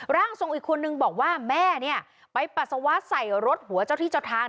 ร่างทรงอีกคนนึงบอกว่าแม่เนี่ยไปปัสสาวะใส่รถหัวเจ้าที่เจ้าทาง